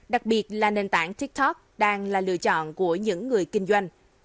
đặc biệt là nền tảng tiktok đang là lựa chọn của những người kinh doanh